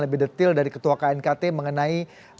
lebih detail dari ketua knkt mengenai